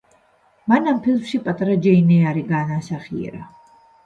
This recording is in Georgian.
მან ამ ფილმში პატარა ჯეინ ეირი განასახიერა.